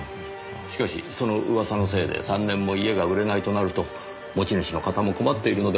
しかしその噂のせいで３年も家が売れないとなると持ち主の方も困っているのではありませんか？